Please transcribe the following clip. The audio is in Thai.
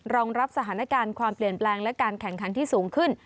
รองรับสถานการณ์ความเปลี่ยนแปลงและการแข่งขันที่สูงขึ้น